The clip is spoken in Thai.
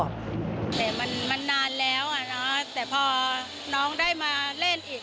มันนานแล้วอะแต่พอน้องได้มาเล่นอีก